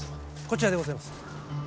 こちらでございます。